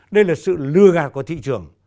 đây là sự lừa gạt của thị trường